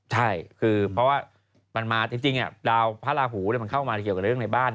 ใช่คือเพราะว่ามันมาจริงดาวพระราหูมันเข้ามาเกี่ยวกับเรื่องในบ้าน